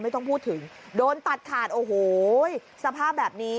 ไม่ต้องพูดถึงโดนตัดขาดโอ้โหสภาพแบบนี้